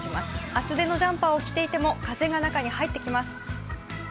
厚手のジャンパーを着ていても風が中に入ってきます。